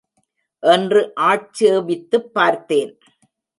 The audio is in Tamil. என்று ஆட்சேபித்துப் பார்த்தேன்.